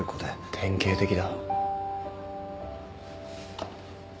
典型的だ。